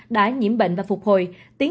đã nhiễm bệnh và phục hồi